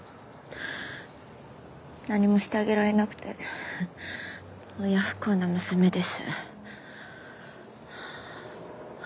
何もしてあげられなくて親不孝な娘です。